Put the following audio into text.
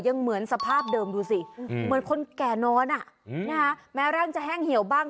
เหมือนสภาพเดิมดูสิเหมือนคนแก่นอนแม้ร่างจะแห้งเหี่ยวบ้าง